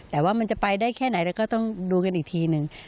แต่ว่ามันจะไปได้แค่ไหนแล้วก็ต้องดูกันอีกทีหนึ่ง